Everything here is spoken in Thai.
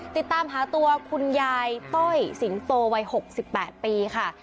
ติดตามหาตัวคุณยายต้อยสิงโตวัย๖๘ปีค่ะ